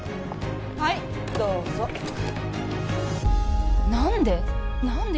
はいどうぞ何で？